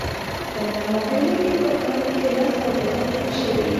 په نهمه پېړۍ کې په کال کې لس ابدات جوړ شوي.